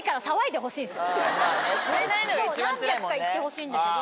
何百かいってほしいんだけど。